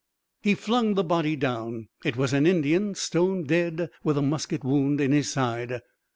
He flung the body down. It was an Indian, stone dead, with a musket wound in his side.